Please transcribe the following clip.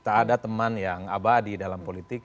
tak ada teman yang abadi dalam politik